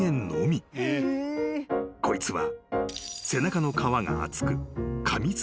［こいつは］